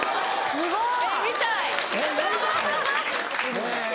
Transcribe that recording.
すごい。